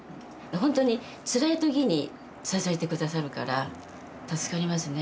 本当につらいときに支えてくださるから助かりますね。